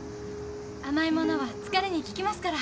甘い物は疲れに効きますから。